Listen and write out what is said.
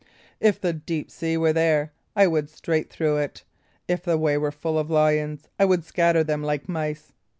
if the deep sea were there, I would straight through it; if the way were full of lions, I would scatter them like mice."